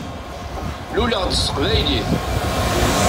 Luleɣ-d s teqbaylit.